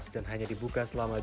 dan hanya dibuka selama dua tahun